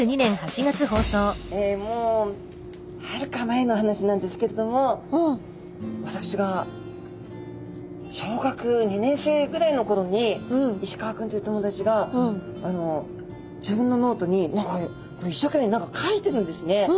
えもうはるか前の話なんですけれども私が小学２年生ぐらいの頃に石川くんという友達が自分のノートに一生懸命に何か書いてるんですね。